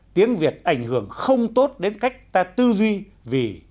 tiếng việt ảnh hưởng không tốt đến cách ta tư duy vì